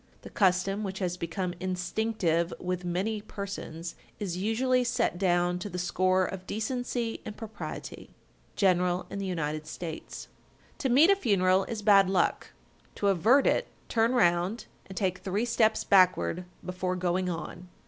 The custom, which has become instinctive with many persons, is usually set down to the score of decency and propriety. General in the United States. 1259. To meet a funeral is bad luck. To avert it, turn round and take three steps backward before going on.